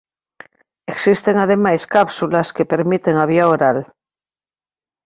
Existen ademais cápsulas que permiten a vía oral.